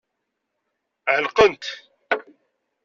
Ɛerqent.